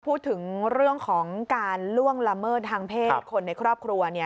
พูดถึงเรื่องของการล่วงละเมิดทางเพศคนในครอบครัว